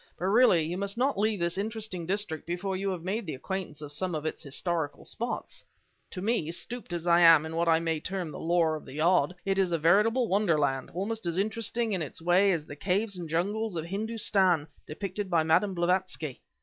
But really, you must not leave this interesting district before you have made the acquaintance of some of its historical spots. To me, steeped as I am in what I may term the lore of the odd, it is a veritable wonderland, almost as interesting, in its way, as the caves and jungles of Hindustan depicted by Madame Blavatsky."